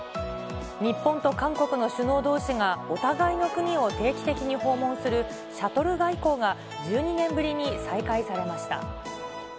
日本と韓国の首脳どうしがお互いの国を定期的に訪問するシャトル外交が１２年ぶりに再開されました。